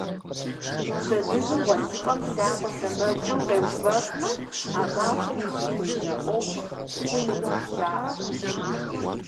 Пщэдджыжьым гъуэлъыпӀэм лъакъуэ сэмэгумкӀэ укъеувэхмэ, а махуэм узыхуежьэ Ӏуэхур хъунукъым, жаӀэрт.